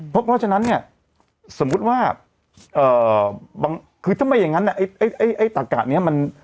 เพราะฉะนั้นเนี่ยสมมุติว่าเอ่อบางคือทำไมอย่างงั้นเนี่ยไอ้ตากะเนี่ยมัน